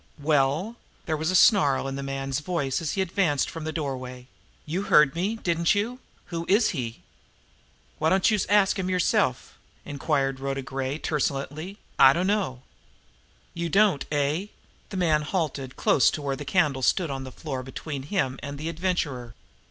"Well?" There was a snarl in the man's voice as he advanced from the doorway. "You heard me, didn't you? Who is he?" "Why don't youse ask him yerself?" inquired Rhoda Gray truculently. "I dunno." "You don't, eh?" The man had halted close to where the candle stood on the floor between himself and the Adventurer.